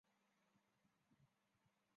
他生于工布博楚寺之中麦地方。